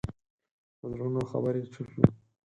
د زړونو خبرې چوپ وي